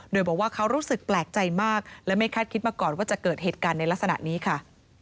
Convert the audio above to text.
โดยบอกว่าเขารู้สึกแปลกใจมากและไม่คาดคิดมาก่อนว่าจะเกิดเหตุการณ์ในลักษณะนี้ค่ะ